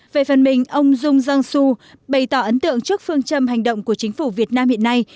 về phần mình ông chung jong soo bày tỏ ấn tượng trước phương châm hành động của chính phủ việt nam hiện nay